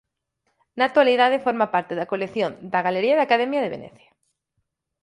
Na actualidade forma parte da colección da Galería da Academia de Venecia.